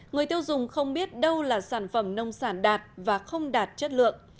người tiêu dùng không biết đâu là sản phẩm nông sản đạt và không đạt chất lượng